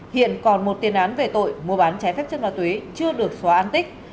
hiện còn một tiền án về tội mua bán trái phép chất ma túy chưa được xóa an tích